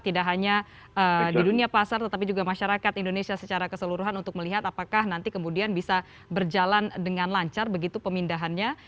tidak hanya di dunia pasar tetapi juga masyarakat indonesia secara keseluruhan untuk melihat apakah nanti kemudian bisa berjalan dengan lancar begitu pemindahannya